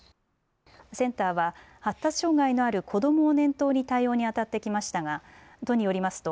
センターは発達障害のある子どもを念頭に対応にあたってきましたが都によりますと